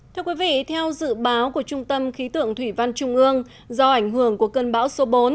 thưa quý vị theo dự báo của trung tâm khí tượng thủy văn trung ương do ảnh hưởng của cơn bão số bốn